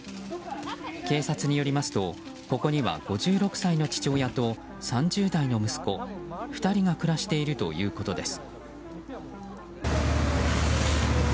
警察によりますと、ここには５６歳の父親と３０代の息子２人が暮らしているということです。